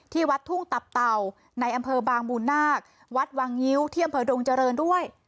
วัดทุ่งตับเต่าในอำเภอบางบูนาควัดวางงิ้วที่อำเภอดงเจริญด้วย